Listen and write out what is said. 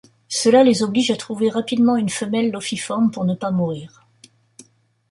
Cela les oblige à trouver rapidement une femelle Lophiiforme pour ne pas mourir.